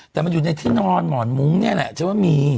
แต่มันอยู่ในที่นอนหมอนมุ้งเนี่ยแหละจะว่ามี